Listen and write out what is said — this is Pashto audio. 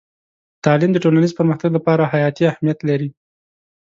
تعلیم د ټولنیز پرمختګ لپاره حیاتي اهمیت لري.